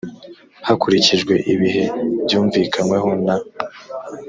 hakurikijwe ibihe byumvikanyweho na